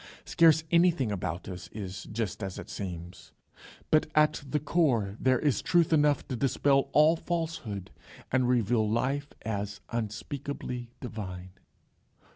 Scarce anything about us is just as it seems, but at the core there is truth enough to dispel all falsehood and reveal life as unspeakably divine.